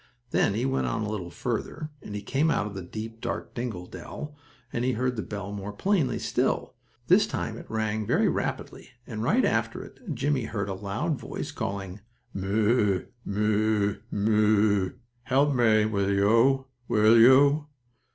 Then he went on a little farther, and he came out of the deep, dark dingle dell, and he heard the bell more plainly still. This time it rang very rapidly, and right after it Jimmie heard a loud voice calling: "Moo! Moo! Moo! Help me, will you; will you?"